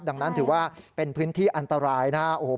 ดังนั้นถือว่าเป็นพื้นที่อันตรายนะครับ